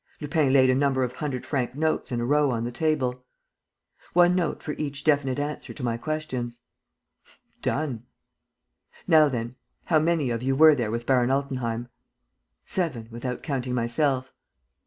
Lupin laid a number of hundred franc notes in a row on the table: "One note for each definite answer to my questions." "Done!" "Now then. How many of you were there with Baron Altenheim?" "Seven, without counting myself."